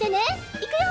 いくよ。